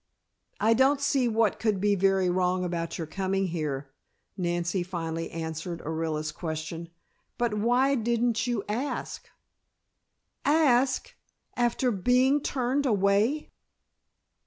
"I don't see what could be very wrong about your coming here," Nancy finally answered Orilla's question. "But why didn't you ask?" "Ask? After being turned away?"